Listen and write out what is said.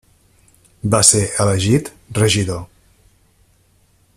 Va ser elegit regidor.